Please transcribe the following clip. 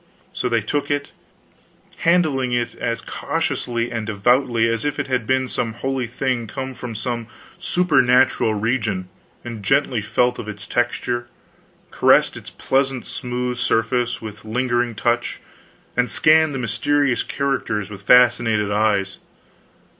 So they took it, handling it as cautiously and devoutly as if it had been some holy thing come from some supernatural region; and gently felt of its texture, caressed its pleasant smooth surface with lingering touch, and scanned the mysterious characters with fascinated eyes.